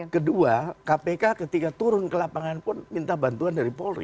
kedua kpk ketika turun ke lapangan pun minta bantuan dari polri